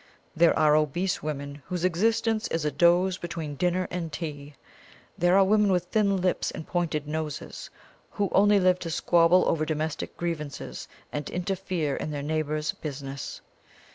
There are obese women whose existence is a doze between dinner and tea. There are women with thin lips and pointed noses, who only live to squabble over domestic grievances and interfere in their neighbours' business.